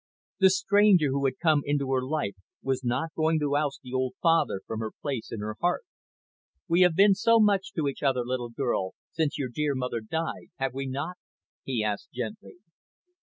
The stranger who had come into her life was not going to oust the old father from his place in her heart. "We have been so much to each other, little girl, since your dear mother died, have we not?" he asked gently.